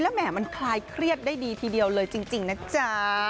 แหมมันคลายเครียดได้ดีทีเดียวเลยจริงนะจ๊ะ